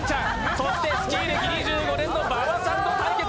そしてスキー歴２５年の馬場さんの対決。